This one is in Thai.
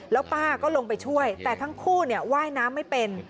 แล้วป้าก็ลงไปช่วยแต่ทั้งคู่ว่ายน้ำไม่เป็น